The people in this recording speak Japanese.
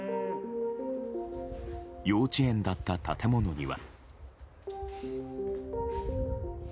幼稚園だった建物には。